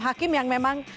hakim yang memang